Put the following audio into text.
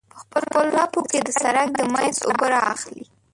په خپلو لپو کې د سرک د منځ اوبه رااخلي.